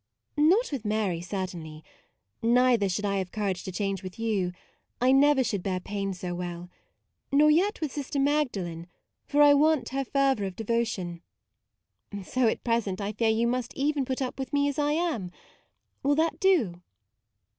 " "Not with Mary, certainly. Neither should I have courage to change with you; I never should bear pain so well: nor yet with Sis ter Magdalen, for I want her fer vour of devotion. So at present I fear you must even put up with me as I am. Will that do?